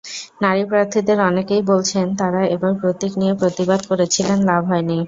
নারী প্রার্থীদের অনেকেই বলছেন, তাঁরা এবার প্রতীক নিয়ে প্রতিবাদ করেছিলেন, লাভ হয়নি।